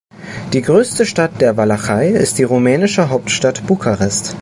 Die größte Stadt der Walachei ist die rumänische Hauptstadt Bukarest.